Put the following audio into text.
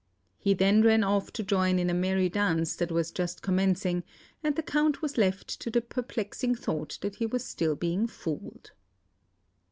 He then ran off to join in a merry dance that was just commencing, and the Count was left to the perplexing thought that he was still being fooled.